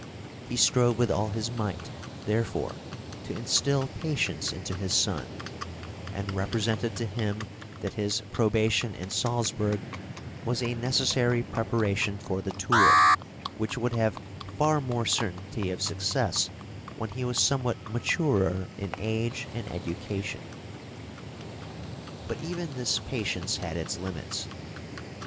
He strove with all his might, therefore, to instil patience into his son, and represented to him that his probation in Salzburg was a necessary preparation for the tour, which would have far more certainty of success when he was somewhat maturer in age and education. But even this patience had its limits.